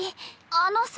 あのさ。